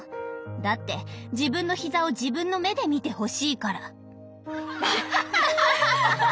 だって自分の膝を自分の目で見てほしいから。